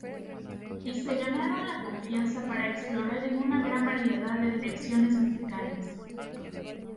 Y se ganaron la confianza para explorar en una gran variedad de direcciones musicales.